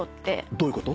どういうこと？